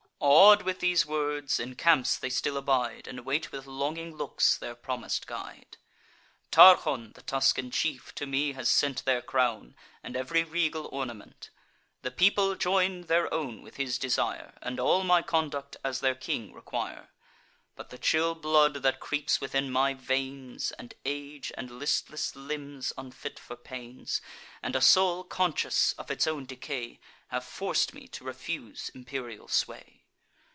Aw'd with these words, in camps they still abide, And wait with longing looks their promis'd guide. Tarchon, the Tuscan chief, to me has sent Their crown, and ev'ry regal ornament: The people join their own with his desire; And all my conduct, as their king, require. But the chill blood that creeps within my veins, And age, and listless limbs unfit for pains, And a soul conscious of its own decay, Have forc'd me to refuse imperial sway.